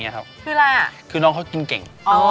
คืออะไรอ่ะคือน้องเขากินเก่ง